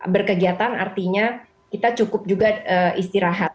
berkegiatan artinya kita cukup juga istirahat